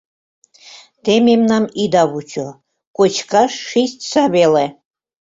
Те мемнам ида вучо, кочкаш шичса веле.